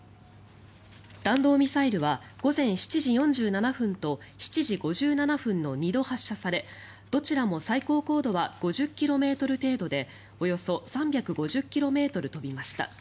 弾道ミサイルは午前７時４７分と７時５７分の２度発射されどちらも最高高度は５０ｋｍ程度でおよそ３５０ｋｍ飛びました。